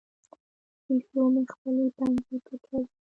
پیشو مې خپلې پنجې پټوي.